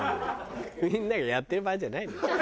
みんながやってる場合じゃない。